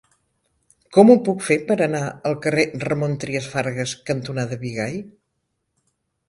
Com ho puc fer per anar al carrer Ramon Trias Fargas cantonada Bigai?